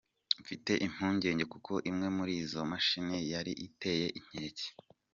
Mfite impungenge kuko imwe muri izo mashini yari iteye inkeke.